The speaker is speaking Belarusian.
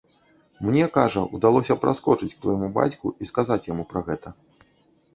Мне, кажа, удалося праскочыць к твайму бацьку і сказаць яму пра гэта.